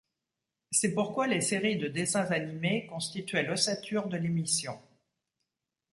C'est pourquoi les séries de dessins-animés constituaient l'ossature de l'émission.